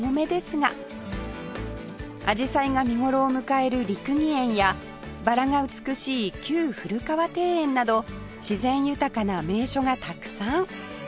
アジサイが見頃を迎える六義園やバラが美しい旧古河庭園など自然豊かな名所がたくさん